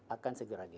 akan segera ditutup